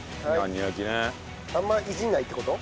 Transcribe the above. あんまいじらないって事？